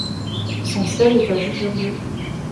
Son siège est à Jujurieux.